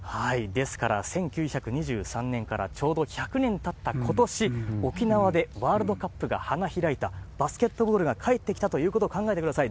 ですから、１９２３年からちょうど１００年たったことし、沖縄でワールドカップが花開いた、バスケットボールが帰ってきたということを考えてください。